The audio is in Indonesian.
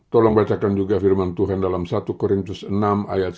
tolong bacakan juga firman tuhan dalam satu korintus enam ayat sembilan belas